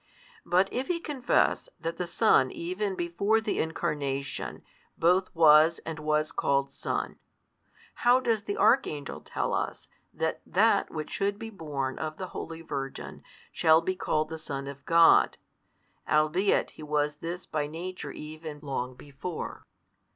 But if he confess that the Son even before the Incarnation both was and was called Son, how does the Archangel tell us that That which should be born of the holy Virgin shall |145 be called the Son of God, albeit He was this by Nature even long before?